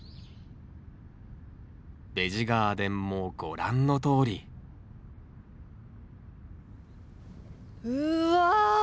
ベジ・ガーデンもご覧のとおりうわ！